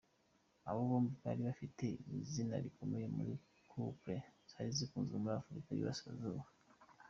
Aba bombi bari bafite izina rikomeye muri ‘couple’ zari zikunzwe muri Africa y’Iburasirazuba.